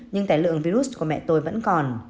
nhưng tài lượng virus của mẹ tôi vẫn còn